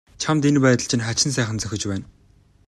Чамд энэ байдал чинь хачин сайхан зохиж байна.